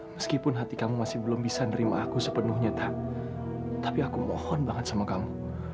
meskipun hati kamu masih belum bisa nerima aku sepenuhnya tapi aku mohon banget sama kamu